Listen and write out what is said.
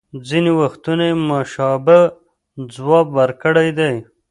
ځینې وختونه یې مشابه ځواب ورکړی دی